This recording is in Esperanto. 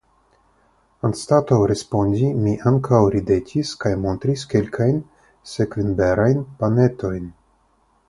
Anstataŭ respondi mi ankaŭ ridetis kaj montris kelkajn sekvinberajn panetojn.